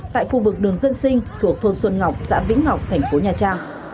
tại khu vực đường dân sinh thuộc thôn xuân ngọc xã vĩnh ngọc tp nha trang